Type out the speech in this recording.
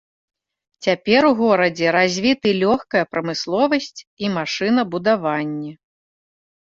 Цяпер у горадзе развіты лёгкая прамысловасць і машынабудаванне.